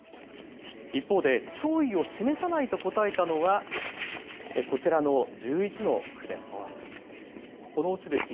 一方で弔意を示さないと答えたのはこちらの１１の区です。